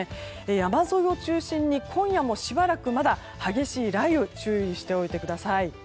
山沿いを中心に今夜もしばらく激しい雷雨に注意しておいてください。